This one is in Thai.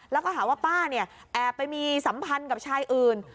แล้วก็หาว่าป้าเนี่ยแอบไปมีสัมพันธ์กับชายอื่น